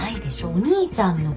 お兄ちゃんの事。